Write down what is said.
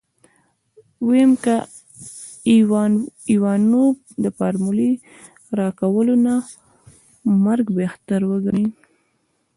ويم که ايوانوف د فارمولې راکولو نه مرګ بهتر وګڼي.